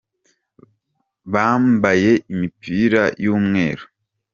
Bambaye imipira y'umweru.